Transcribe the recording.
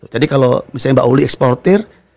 kalau misalnya mbak uli eksportir